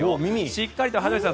しっかりと羽鳥さん